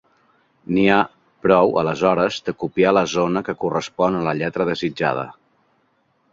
N'hi ha prou aleshores de copiar la zona que correspon a la lletra desitjada.